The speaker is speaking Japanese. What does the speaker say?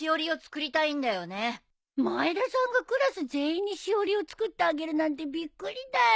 前田さんがクラス全員にしおりを作ってあげるなんてびっくりだよ。